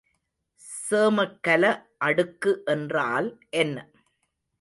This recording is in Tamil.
சேமக்கல அடுக்கு என்றால் என்ன?